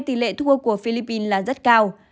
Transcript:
tỷ lệ thua của philippines là rất cao